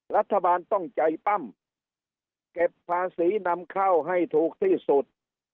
รัฐบาลต้องใจปั้มเก็บภาษีนำเข้าให้ถูกที่สุด